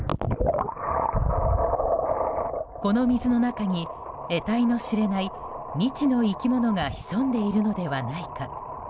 この水の中に得体の知れない未知の生き物が潜んでいるのではないか。